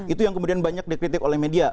itu yang kemudian banyak dikritik oleh media